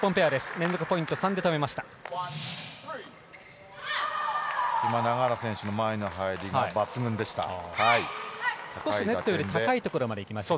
連続ポイント３で止めました。